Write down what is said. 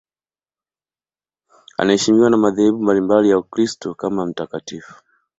Anaheshimiwa na madhehebu mbalimbali ya Ukristo kama mtakatifu.